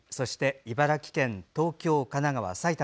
茨城県、東京、神奈川、埼玉。